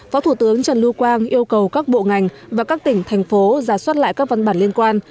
phó thủ tướng trần lưu quang yêu cầu các bộ ngành và các tỉnh thành phố giả soát lại các văn bản liên quan